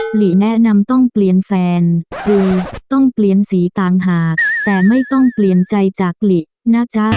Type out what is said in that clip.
หลีแนะนำต้องเปลี่ยนแฟนกูต้องเปลี่ยนสีต่างหากแต่ไม่ต้องเปลี่ยนใจจากหลีนะจ๊ะ